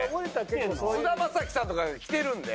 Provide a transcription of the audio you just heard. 菅田将暉さんとかが着てるんで。